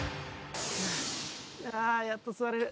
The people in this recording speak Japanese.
やっと座れる。